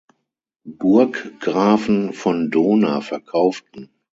Burggrafen von Dohna verkauften.